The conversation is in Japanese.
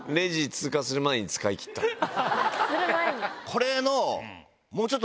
これの。